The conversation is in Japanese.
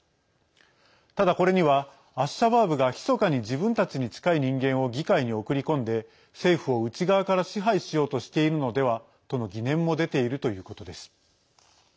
ただ、これにはアッシャバーブがひそかに自分たちに近い人間を議会に送り込んで政府を内側から支配しようとしているのではとの疑念も出ているということです。